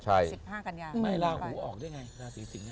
หมายราของรูออกได้ไง